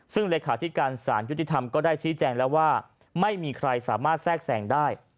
ซึ่งเลขาธิการสารยุติธรรมก็ได้ชี้แจงแล้วว่าไม่มีใครสามารถแทรกแสงได้